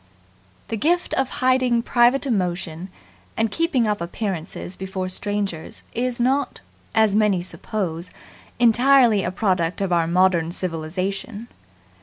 The gift of hiding private emotion and keeping up appearances before strangers is not, as many suppose, entirely a product of our modern civilization.